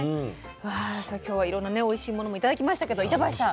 さあ今日はいろんなねおいしいものも頂きましたけど板橋さん